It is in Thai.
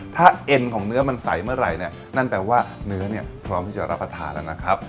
ใสเมื่อไหร่เนี่ยนั่นแปลว่าเนื้อพร้อมที่จะรับประทานแล้วนะครับ